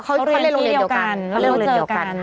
เขาเรียนที่เดียวกันเขาเรียนโรงเรียนเดียวกัน